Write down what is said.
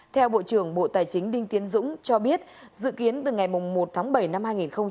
theo bộ trưởng bộ tài chính đinh tiến dũng cho biết dự kiến từ ngày một tháng bảy năm hai nghìn hai mươi